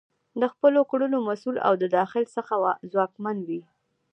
د خپلو کړنو مسؤل او د داخل څخه ځواکمن وي.